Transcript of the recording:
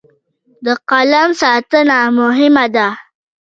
د قلم ساتنه مهمه ده.